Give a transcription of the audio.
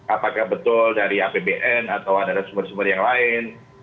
apakah betul dari apbn atau ada sumber sumber yang lain